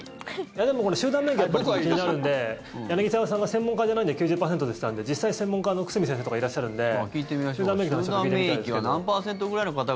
でも、この集団免疫は僕は気になるんで柳澤さんが専門家じゃないので９０％って言ってたので実際、専門家の久住先生とかいらっしゃるんで集団免疫の話は聞いてみたいですけど。